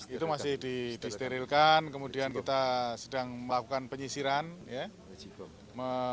itu masih disterilkan kemudian kita sedang melakukan penyisiran ya